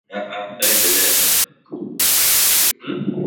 Wachumba walichekelea picha.